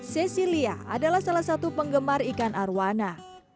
cecilia adalah salah satu penggemar ikan arowana